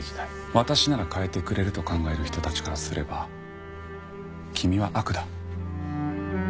私なら変えてくれると考える人たちからすれば君は悪だ。